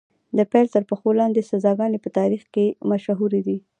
د پیل تر پښو لاندې سزاګانې په تاریخ کې مشهورې دي.